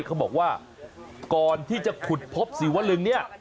เขาบอกว่าก่อนที่จะขุดพบศิวลึงเนี่ย